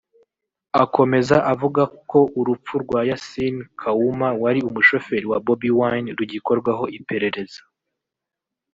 Akomeza avuga ko urupfu rwa Yasin Kawuma wari umushoferi wa Bobi Wine rugikorwaho iperereza